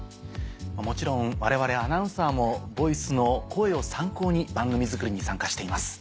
もちろん我々アナウンサーも「ＶＯＩＣＥ」の声を参考に番組作りに参加しています。